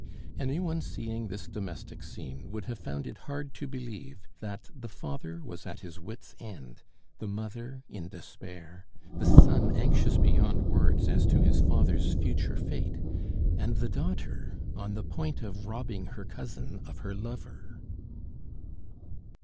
Any one seeing this domestic scene would have found it hard to believe that the father was at his wits' end, the mother in despair, the son anxious beyond words as to his father's future fate, and the daughter on the point of robbing her cousin of her lover.